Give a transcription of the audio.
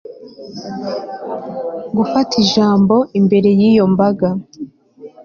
gufata ijambo imbere y'iyo mbaga